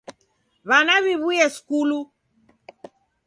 W'ana w'iw'uye skulu!